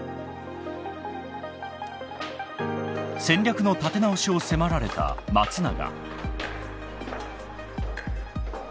戦略の立て直しを迫られた松永。